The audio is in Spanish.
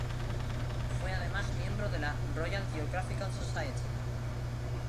Fue además miembro de la Royal Geographical Society.